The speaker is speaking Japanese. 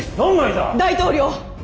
大統領！